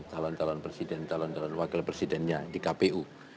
talon talon presiden talon talon wakil presidennya di kpu